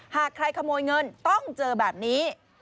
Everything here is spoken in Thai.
หากใครขโมยเงินต้องเจอแบบนี้